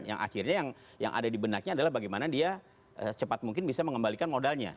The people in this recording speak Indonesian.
yang akhirnya yang ada di benaknya adalah bagaimana dia secepat mungkin bisa mengembalikan modalnya